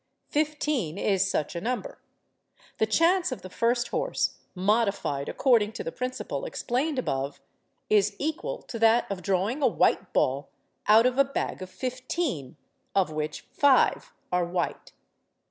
Fifteen is such a number. The chance of the first horse, modified according to the principle explained above, is equal to that of drawing a white ball out of a bag of fifteen of which five are white.